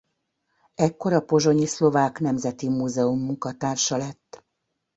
Ekkor a pozsonyi Szlovák Nemzeti Múzeum munkatársa lett.